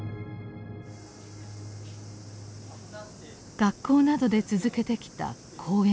学校などで続けてきた講演です。